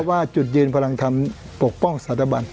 เพราะว่าจุดยืนพลังทำปกป้องสถาบัน